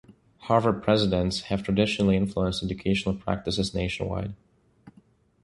Harvard presidents have traditionally influenced educational practices nationwide.